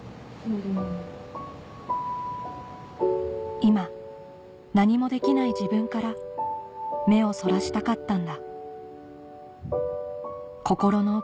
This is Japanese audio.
今何もできない自分から目をそらしたかったんだ